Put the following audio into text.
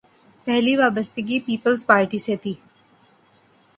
پہلی وابستگی peoples party سے تھی۔